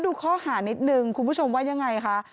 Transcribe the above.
ดูข้อหานิดนึงคุณผู้ชมว่ายังไงคะ